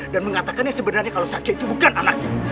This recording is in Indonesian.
dan mengatakannya sebenarnya kalau saskia itu bukan anaknya